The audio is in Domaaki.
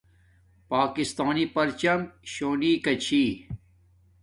پاکستانی پرچم شونیکا چھی